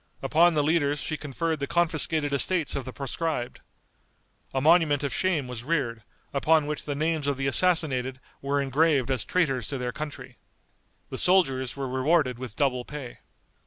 Upon the leaders she conferred the confiscated estates of the proscribed. A monument of shame was reared, upon which the names of the assassinated were engraved as traitors to their country. The soldiers were rewarded with double pay.